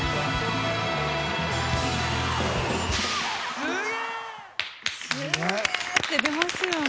すげー！って出ますよね。